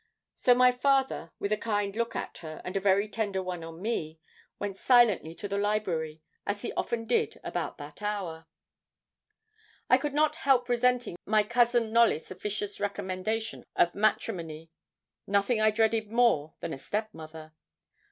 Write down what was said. So my father, with a kind look at her, and a very tender one on me, went silently to the library, as he often did about that hour. I could not help resenting my Cousin Knollys' officious recommendation of matrimony. Nothing I dreaded more than a step mother.